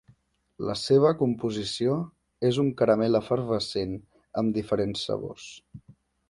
La seva composició és un caramel efervescent amb diferents sabors.